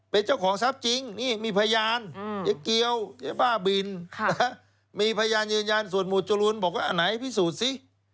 รักทรัพย์ของทรัพย์จริงนี่มีพยานเกี๊ยวบ้าบินมีพยานยืนยันส่วนหมวดจุรุนบอกว่าไหนพิสูจน์สิ